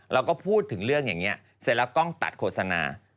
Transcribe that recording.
เราก็พูดถึงเรื่องอย่างนี้เสร็จแล้วกล้องตัดโฆษณา